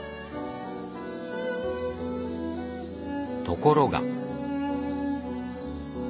ところが。